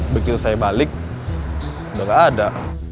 begitu saya balik udah gak ada